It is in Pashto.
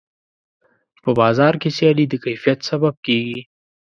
په بازار کې سیالي د کیفیت سبب کېږي.